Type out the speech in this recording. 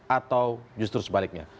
atau justru sebaliknya